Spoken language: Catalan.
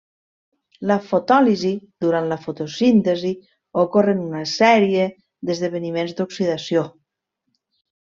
La fotòlisi durant la fotosíntesi ocorre en una sèrie d'esdeveniments d'oxidació.